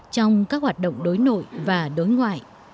trong các hoạt động đối nội và đối ngoại